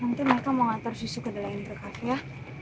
bu nanti mereka mau ngeantere susu kedalian kita